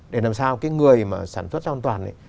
để làm sao cái người mà sản xuất an toàn ấy